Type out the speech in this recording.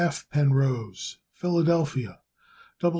F. Penrose, Philadelphia, Pa.